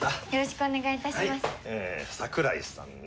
桜井さんね。